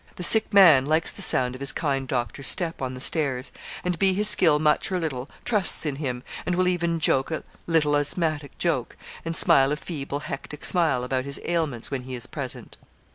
The sick man likes the sound of his kind doctor's step on the stairs; and, be his skill much or little, trusts in him, and will even joke a little asthmatic joke, and smile a feeble hectic smile about his ailments, when he is present.